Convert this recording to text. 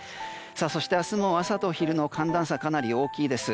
そして、明日も朝と昼の寒暖差がかなり大きいです。